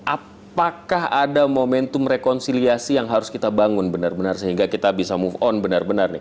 apakah ada momentum rekonsiliasi yang harus kita bangun sehingga kita bisa move on